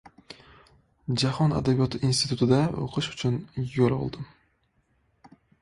Jahon Adabiyoti institutida o‘qish uchun yo‘l oldim.